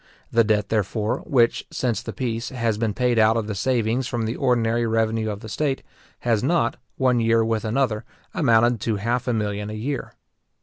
The debt, therefore, which, since the peace, has been paid out of the savings from the ordinary revenue of the state, has not, one year with another, amounted to half a million a year.